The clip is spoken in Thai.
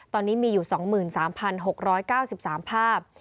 ตอนนี้มีอยู่๒๓๖๙๓ภาพ